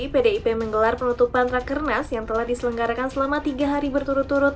pdip menggelar penutupan rakernas yang telah diselenggarakan selama tiga hari berturut turut